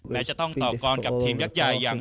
แม้จะต้องต่อกรกับทีมยักษ์ใหญ่อย่าง